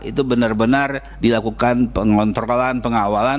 itu benar benar dilakukan pengontrolan pengawalan